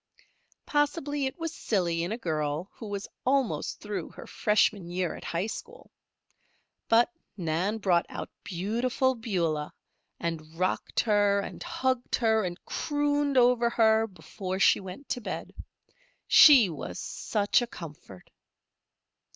Possibly it was silly in a girl who was almost through her freshman year at high school, but Nan brought out Beautiful Beulah and rocked her, and hugged her, and crooned over her before she went to bed. She was such a comfort!